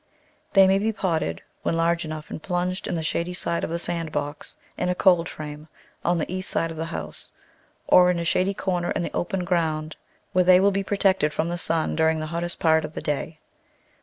They may be potted when large enough and plunged in the shady side of the sand box, in a cold frame, on the east side of the house, or in a shady corner in the open ground, where they will be protected from the .sun during the hottest part of the day.